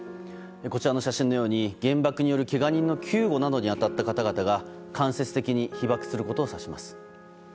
こちらの写真のように原爆投下によるけが人の救護に当たった方々が間接的に被爆することを指します。